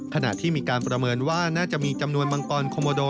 ขณะที่มีการประเมินว่าน่าจะมีจำนวนมังกรโคโมโด